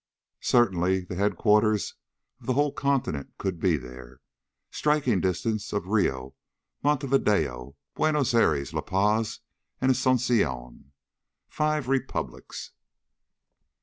Certainly the headquarters for the whole continent could be there. Striking distance of Rio, Montevideo, Buenos Aires, La Paz, and Asunción. Five republics."